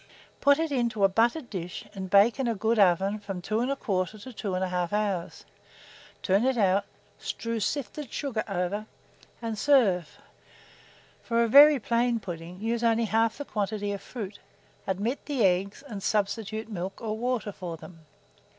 Put it into a buttered dish, and bake in a good oven from 2 1/4 to 2 1/2 hours; turn it out, strew sifted sugar over, and serve. For a very plain pudding, use only half the quantity of fruit, omit the eggs, and substitute milk or water for them.